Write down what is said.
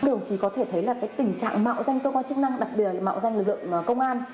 đồng chí có thể thấy là cái tình trạng mạo danh cơ quan chức năng đặc biệt là mạo danh lực lượng công an